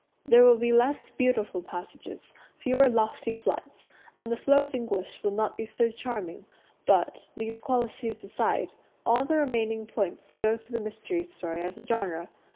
There will be less "beautiful" passages, fewer lofty flights, and the flow of English will be not so charming; but, these qualities aside, all the remaining points go to the mystery story as a genre.